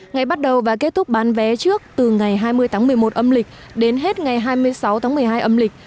ngày bắt đầu và kết thúc bán vé trước từ ngày hai mươi tháng một mươi một âm lịch đến hết ngày hai mươi sáu tháng một mươi hai âm lịch